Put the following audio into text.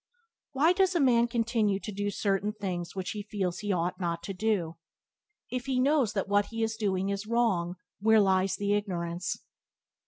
Why does a man continue to do certain things which he feels he ought not to do? If he knows that what he is doing is wrong where lies the ignorance?